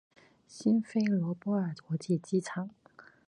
辛菲罗波尔国际机场。